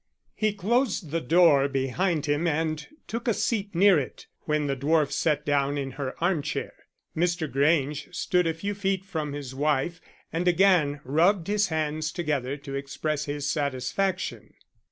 He closed the door behind him and took a seat near it when the dwarf sat down in her arm chair. Mr. Grange stood a few feet from his wife and again rubbed his hands together to express his satisfaction.